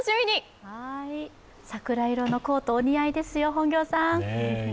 桜色のコートお似合いですよ。